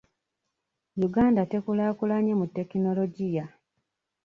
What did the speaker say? Uganda tekulaakulanye mu tekinologiya.